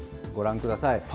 ご覧ください。